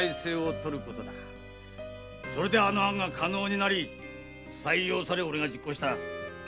それであの案は可能になり採用され俺が実行した。